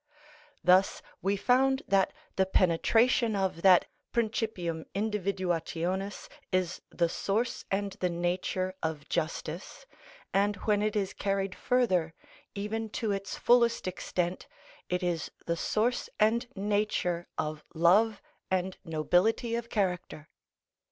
Thus we found that the penetration of that principium individuationis is the source and the nature of justice, and when it is carried further, even to its fullest extent, it is the source and nature of love and nobility of character.